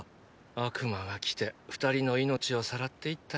悪魔が来て二人の命を攫って行ったよ。